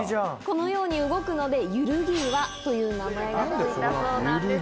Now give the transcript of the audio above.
このように動くので。という名前が付いたそうなんです。